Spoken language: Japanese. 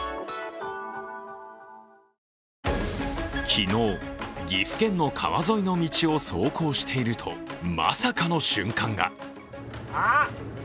昨日、岐阜県の川沿いの道を走行しているとまさかの瞬間が。